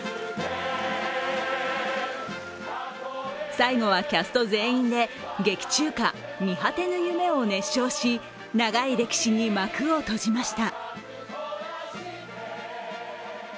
最後はキャスト全員で劇中歌「見果てぬ夢」を熱唱し長い歴史に幕を閉じました。